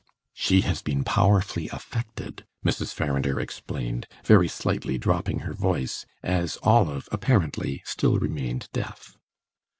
"She has been powerfully affected," Mrs. Farrinder explained, very slightly dropping her voice, as Olive, apparently, still remained deaf.